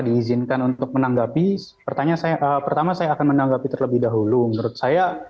diizinkan untuk menanggapi pertanyaan saya pertama saya akan menanggapi terlebih dahulu menurut saya